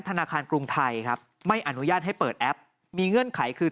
ธนาคารกรุงไทยครับไม่อนุญาตให้เปิดแอปมีเงื่อนไขคือ